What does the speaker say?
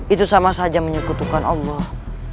itu sama saja menyekutukan allah